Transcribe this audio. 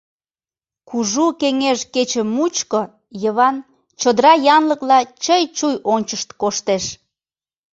Кужу кеҥеж кече мучко Йыван чодыра янлыкла чый-чуй ончышт коштеш...